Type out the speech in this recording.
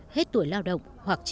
hết tuổi lao động